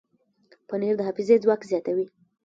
پنېر د حافظې ځواک زیاتوي.